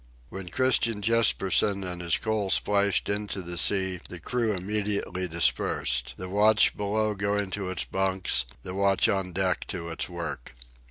When Christian Jespersen and his coal splashed into the sea the crew immediately dispersed, the watch below going to its bunks, the watch on deck to its work.